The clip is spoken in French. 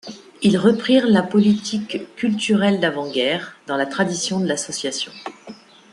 Ils reprirent la politique culturelle d'avant-guerre, dans la tradition de l'association.